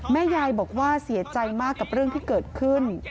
แม่ยายบอกว่าเสียใจมากกับเรื่องที่เกิดขึ้น